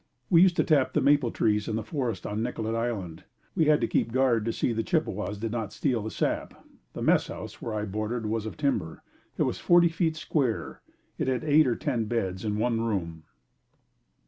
We used to tap the maple trees in the forest on Nicollet Island. We had to keep guard to see that the Chippewas did not steal the sap. The messhouse where I boarded, was of timber. It was forty feet square. It had eight or ten beds in one room.